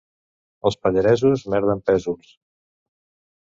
Als Pallaresos, merda amb pèsols.